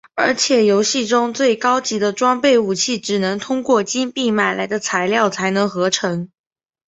而且游戏中最高级的装备武器只能通过由金币买来的材料才能合成。